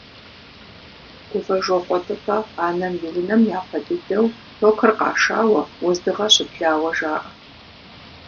Гувэжокъуэ ТӀытӀэ анэм и унэм япэ дыдэу токыр къашауэ, уэздыгъэ щыблауэ жаӀэ.